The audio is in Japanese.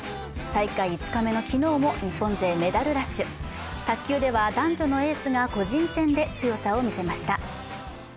大会５日目の昨日も日本勢メダルラッシュ卓球では男女のエースが個人戦で強さを見せました。